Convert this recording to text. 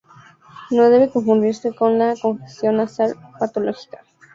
No debe confundirse con la congestión nasal patológica.